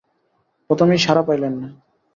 প্রথমে সাড়া পাইলেন না।